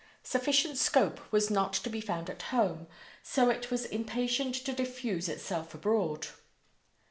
Sufficient scope was not to be found at home, so it was impatient to diffuse itself abroad.